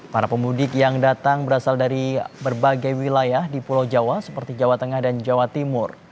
para pemudik yang datang berasal dari berbagai wilayah di pulau jawa seperti jawa tengah dan jawa timur